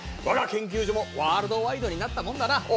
我が研究所もワールドワイドになったもんだな。